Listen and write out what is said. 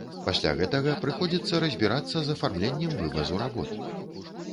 Пасля гэтага прыходзіцца разбірацца з афармленнем вывазу работ.